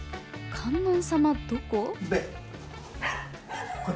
観音様、どこ？